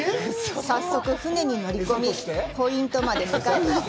早速、船に乗り込みポイントまで向かいます。